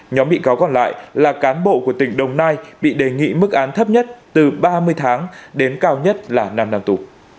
nhóm bị cáo còn lại là cán bộ của tỉnh đồng nai bị đề nghị mức án thấp nhất từ ba mươi tháng đến cao nhất là năm năm tù